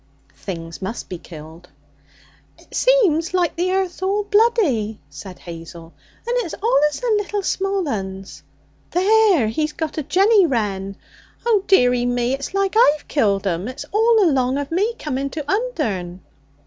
'Things must be killed.' 'It seems like the earth's all bloody,' said Hazel. 'And it's allus the little small uns. There! He's got a jenny wren. Oh, dearie me! it's like I've killed 'em; it's all along of me coming to Undern.'